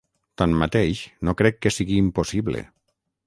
Tanmateix, no crec que sigui impossible.